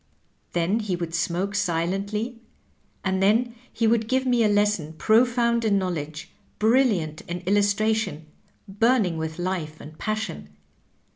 '' Then he would smoke si lently, and then he would give me a lesson profound in knowledge, brilliant in illustration, burning with life and passion.